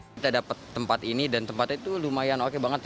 kita dapat tempat ini dan tempatnya itu lumayan oke banget